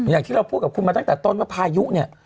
อย่างที่เราพูดกับคุณมาตั้งแต่ต้นว่าพายุเนี่ย